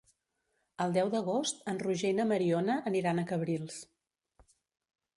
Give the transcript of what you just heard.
El deu d'agost en Roger i na Mariona aniran a Cabrils.